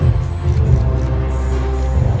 สโลแมคริปราบาล